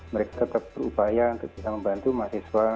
mereka tetap berupaya untuk bisa membantu mahasiswa